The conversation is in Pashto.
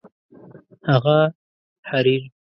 هغه حریر